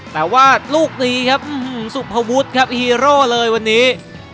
แต่ว่าลูกนี้ครับสุภวุฒิครับฮีโร่เลยวันนี้